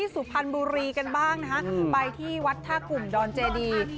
สุพรรณบุรีกันบ้างนะฮะไปที่วัดท่ากลุ่มดอนเจดี